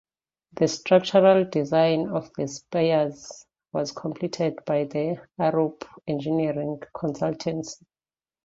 The structural design of the spires was completed by the Arup engineering consultancy.